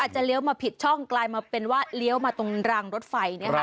เลี้ยวมาผิดช่องกลายมาเป็นว่าเลี้ยวมาตรงรางรถไฟ